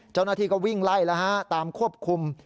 เจ้าหน้าที่ก็วิ่งไล่แล้วฮะตามควบคุม